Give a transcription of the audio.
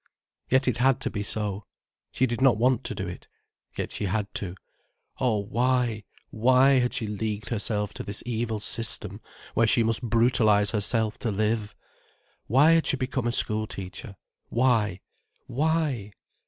Yet it had to be so. She did not want to do it. Yet she had to. Oh, why, why had she leagued herself to this evil system where she must brutalize herself to live? Why had she become a school teacher, why, why?